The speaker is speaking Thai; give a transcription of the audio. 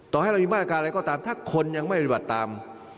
ให้เรามีมาตรการอะไรก็ตามถ้าคนยังไม่ปฏิบัติตาม